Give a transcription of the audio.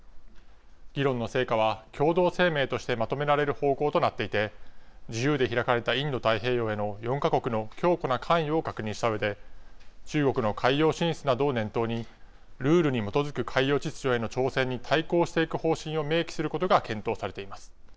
議論の成果は共同声明としてまとめられる方向となっていて、自由で開かれたインド太平洋への４か国の強固な関与を確認したうえで、中国の海洋進出などを念頭に、ルールに基づく海洋秩序への挑戦に対抗していく方針を明記することが検討されています。